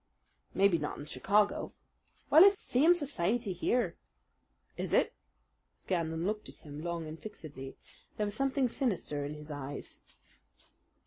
"Maybe not in Chicago." "Well, it's the same society here." "Is it?" Scanlan looked at him long and fixedly. There was something sinister in his eyes.